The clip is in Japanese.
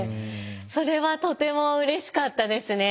それはとてもうれしかったですね。